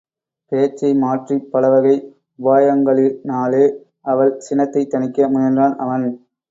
பேச்சை மாற்றிப் பல வகை உபாயங்களினாலே அவள் சினத்தைத் தணிக்க முயன்றான் அவன்.